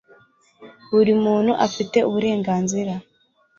Buri muntu afite uburenganzira